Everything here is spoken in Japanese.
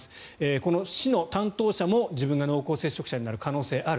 この市の担当者も自分が濃厚接触者になる可能性がある。